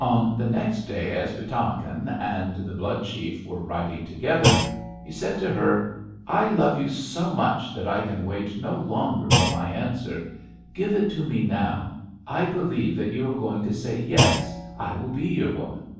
"On the next day, as Pi´tamakan and the Blood chief were riding together, he said to her: 'I love you so much that I can wait no longer for my answer. Give it to me now. I believe that you are going to say, "Yes, I will be your woman."'